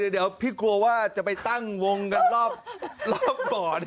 เดี๋ยวพี่กลัวว่าจะไปตั้งวงกันรอบก่อน